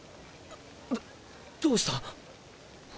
どどうした？